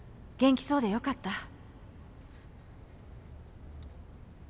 元気そうで良かった」。